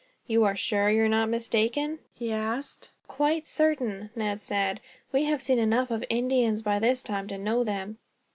"You are sure you were not mistaken?" he asked. "Quite certain," Ned said. "We have seen enough of Indians, by this time, to know them.